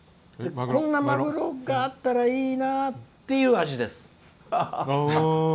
こんなマグロがあったらいいなっていう味です。